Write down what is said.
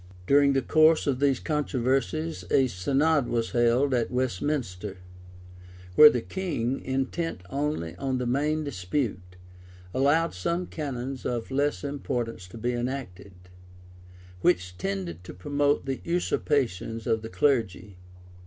During the course of these controversies, a synod was held at Westminster, where the king, intent only on the mam dispute, allowed some canons of less importance to be enacted, which tended to promote the usurpations of the clergy.